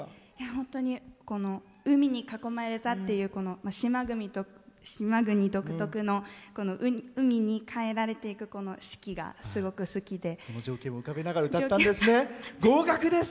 本当に海に囲まれたっていう島国独特のこの海に変えられていく四季が合格です。